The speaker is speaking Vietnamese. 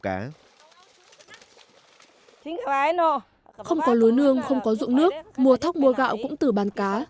không có lúa nương không có rượu nước mua thóc mua gạo cũng từ bán cá